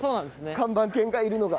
看板犬がいるのが。